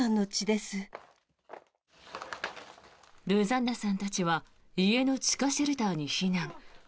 ルザンナさんたちは家の地下シェルターに避難。